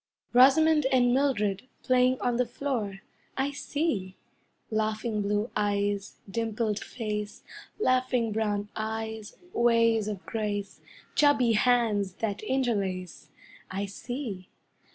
Rosamond and Mildred, playing on the floor I see! Laughing blue eyes, dimpled face, Laughing brown eyes, ways of grace, Chubby hands that interlace I see!